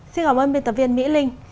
xin cảm ơn biên tập viên mỹ linh